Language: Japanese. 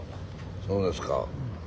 そうですか。